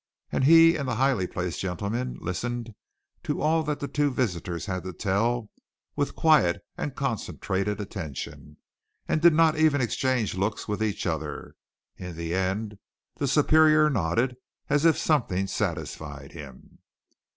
And he and the highly placed gentleman listened to all that the two visitors had to tell with quiet and concentrated attention and did not even exchange looks with each other. In the end the superior nodded as if something satisfied him.